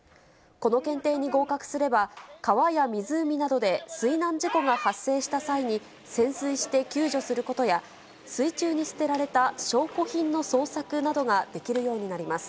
この検定に合格すれば、川や湖などで水難事故が発生した際に、潜水して救助することや、水中に捨てられた証拠品の捜索などができるようになります。